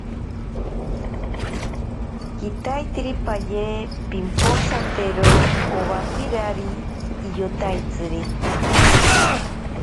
Kitaiterikipaye pimposaktero owakirari iyotaitsiri.